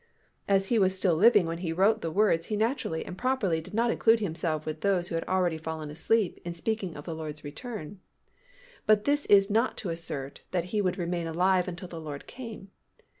As he was still living when he wrote the words, he naturally and properly did not include himself with those who had already fallen asleep in speaking of the Lord's return. But this is not to assert that he would remain alive until the Lord came.